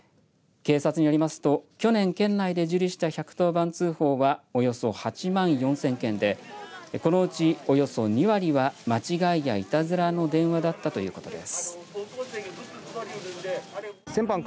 警察によりますと去年、県内で受理した１１０番通報はおよそ８万４０００件でこのうち、およそ２割は間違いや、いたずらの電話だったということです。